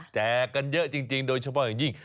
แจกกันเยอะจริงโดยเฉพาะอย่างยิ่ง